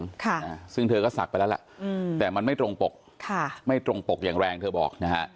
ค่ะอ่าซึ่งเธอก็ศักดิ์ไปแล้วล่ะอืมแต่มันไม่ตรงปกค่ะไม่ตรงปกอย่างแรงเธอบอกนะฮะ